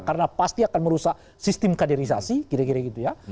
karena pasti akan merusak sistem kaderisasi kira kira gitu ya